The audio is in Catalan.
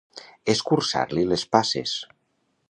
Escurçar-li les passes.